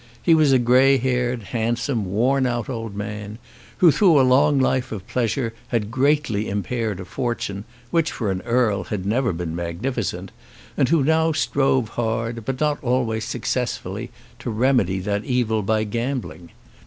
He was a grey haired, handsome, worn out old man, who through a long life of pleasure had greatly impaired a fortune which, for an earl, had never been magnificent, and who now strove hard, but not always successfully, to remedy that evil by gambling.